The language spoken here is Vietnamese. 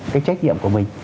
cái trách nhiệm của mình